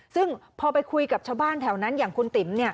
ซึ่งพอไปคุยกับชาวบ้านแถวนั้นอย่างคุณติ๋ม